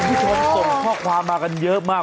พี่โทนส่งข้อความมากันเยอะมาก